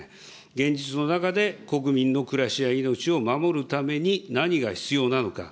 現実の中で国民の暮らしや命を守るために、何が必要なのか。